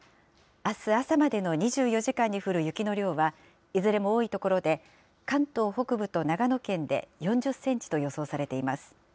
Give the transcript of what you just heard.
あす朝までの２４時間に降る雪の量はいずれも多い所で、関東北部と長野県で４０センチと予想されています。